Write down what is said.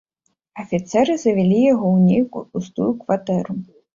Афіцэры завялі яго ў нейкую пустую кватэру.